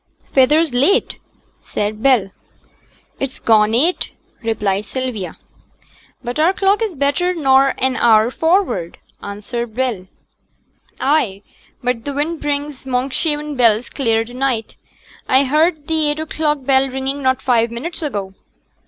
'Feyther's late,' said Bell. 'It's gone eight,' replied Sylvia. 'But our clock is better nor an hour forrard,' answered Bell. 'Ay, but t' wind brings Monkshaven bells clear to night. I heerd t' eight o'clock bell ringing not five minutes ago.'